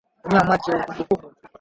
tumia maji ya uvuguvugu